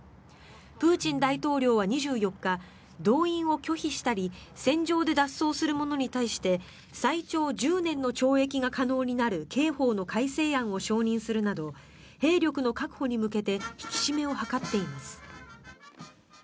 プーチン大統領は２４日動員を拒否したり戦場で脱走する者に対して最長１０年の懲役が可能になる刑法の改正案を承認するなど兵力の確保に向けて引き締めを図っています。